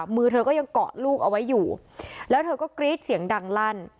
มือเธอก็ยังเกาะลูกเอาไว้อยู่แล้วเธอก็กรี๊ดเสียงดังลั่น